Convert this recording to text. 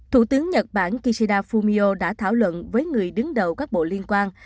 thủ tướng nhật bản kishida fumio đã thảo luận với người đứng đầu các bộ liên quan